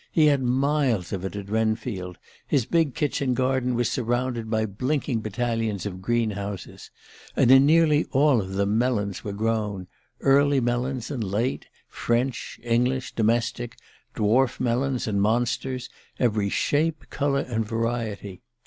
He had miles of it at Wrenfield his big kitchen garden was surrounded by blinking battalions of green houses. And in nearly all of them melons were grown early melons and late, French, English, domestic dwarf melons and monsters: every shape, colour and variety.